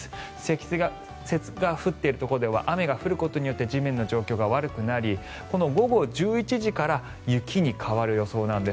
雪が降っているところでは雨が降ることによって地面の状況が悪くなり午後１１時から雪に変わる予想なんです。